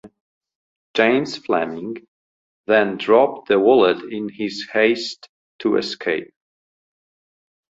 James Fleming then dropped the wallet in his haste to escape.